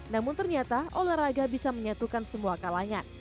namun ternyata olahraga bisa menyatukan semua kalangan